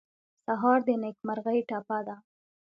سهار د نېکمرغۍ ټپه ده.